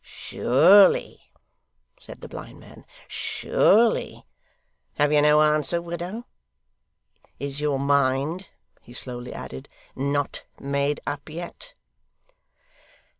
'Surely,' said the blind man, 'surely. Have you no answer, widow? Is your mind,' he slowly added, 'not made up yet?